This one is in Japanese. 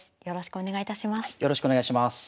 よろしくお願いします。